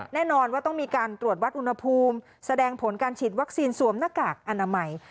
แน่นอนว่าต้องมีการตรวจวัดอุณหภูมิแสดงผลการฉีดวัคซีนสวมหน้ากากอนามัย